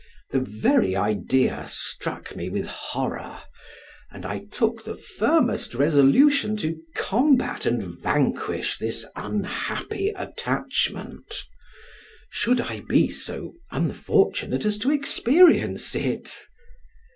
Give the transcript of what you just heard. The very idea struck me with horror, and I took the firmest resolution to combat and vanquish this unhappy attachment, should I be so unfortunate as to experience it.